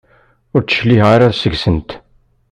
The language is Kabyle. Ur d-cliɛeɣ ara seg-sent.